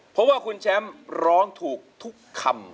เพราะว่าคุณแชมป์ร้องถูกทุกคำ